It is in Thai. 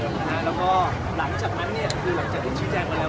แล้วก็หลังจากนั้นเนี่ยคือหลังจากรุ่นชิ้นแจงมาแล้ว